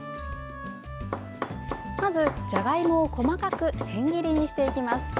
まず、じゃがいもを細かく千切りにしていきます。